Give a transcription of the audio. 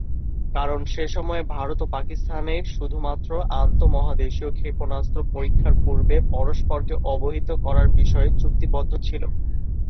কারণ সেসময়ে ভারত ও পাকিস্তানের শুধুমাত্র আন্তঃমহাদেশীয় ক্ষেপণাস্ত্র পরীক্ষার পূর্বে পরস্পরকে অবহিত করার বিষয়ে চুক্তিবদ্ধ ছিল।